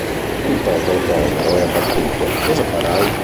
Tu popolo povero e abbattuto cosa farai?